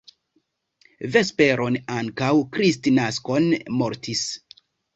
Vesperon antaŭ Kristnasko mortis.